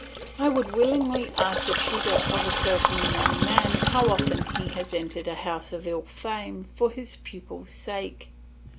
I would willingly ask the tutor of a certain young man how often he has entered a house of ill fame for his pupil's sake.